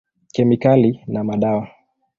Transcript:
Kemikali na madawa.